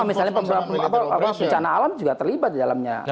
kan sama misalnya bencana alam juga terlibat dalamnya